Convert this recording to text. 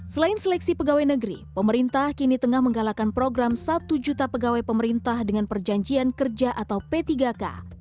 selain seleksi pegawai negeri pemerintah kini tengah menggalakkan program satu juta pegawai pemerintah dengan perjanjian kerja atau p tiga k